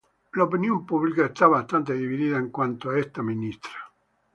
La opinión pública está bastante dividida en cuanto a esta ministra.